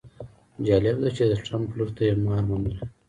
جالبه ده چې د ټرمپ لور ته یې مهر منلی.